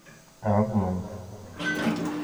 Ɛument.